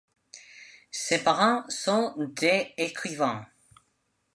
Ses parents sont des écrivains.